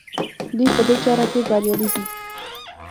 دوی په دې چاره کې بریالي دي.